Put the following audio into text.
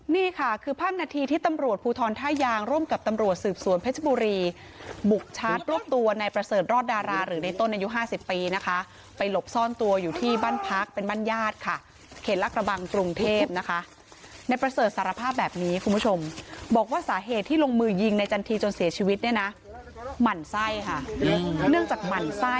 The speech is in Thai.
นี่ค่ะคือภาพนาทีที่ตำรวจภูทรท่ายางร่วมกับตำรวจสืบสวนเพชรบุรีบุกชาร์จรวบตัวในประเสริฐรอดดาราหรือในต้นอายุ๕๐ปีนะคะไปหลบซ่อนตัวอยู่ที่บ้านพักเป็นบ้านญาติค่ะเขตลักกระบังกรุงเทพนะคะในประเสริฐสารภาพแบบนี้คุณผู้ชมบอกว่าสาเหตุที่ลงมือยิงในจันทีจนเสียชีวิตเนี่ยนะหมั่นไส้ค่ะเนื่องจากหมั่นไส้